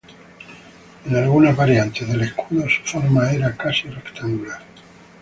En algunas variantes del escudo su forma era casi rectangular.